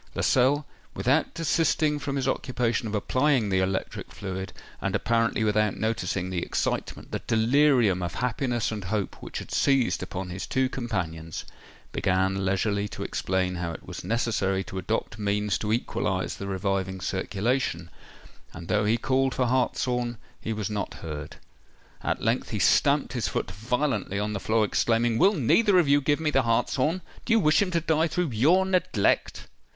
Lascelles, without desisting from his occupation of applying the electric fluid, and apparently without noticing the excitement—the delirium of happiness and hope which had seized upon his two companions, began leisurely to explain how it was necessary to adopt means to equalise the reviving circulation; and though he called for hartshorn, he was not heard. At length he stamped his foot violently on the floor, exclaiming, "Will neither of you give me the hartshorn? Do you wish him to die through your neglect?"